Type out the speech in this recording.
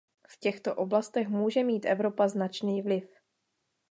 V těchto oblastech může mít Evropa značný vliv.